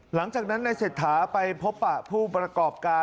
หลังจากนั้นในเศรษฐาไปพบปะผู้ประกอบการ